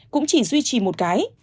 cũng chỉ duy trì một cái